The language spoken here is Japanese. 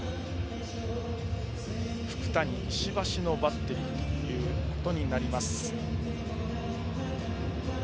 福谷、石橋のバッテリーということになります。